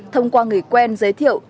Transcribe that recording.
thông qua người quen giới thiệu